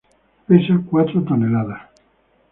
Pesa cuatro toneladas.